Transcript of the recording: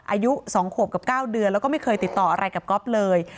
อายุ๒ขวบกับ๙เดือนแล้วก็ไม่เคยติดต่ออะไรกับก๊อฟเลย